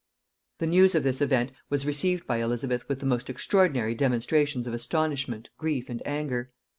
The news of this event was received by Elizabeth with the most extraordinary demonstrations of astonishment, grief, and anger.